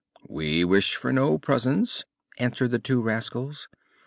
"We wish for no presents," answered the two rascals.